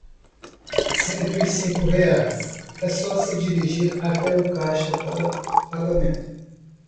Cento e cinco reais, é só se dirigir até o caixa para pagamento.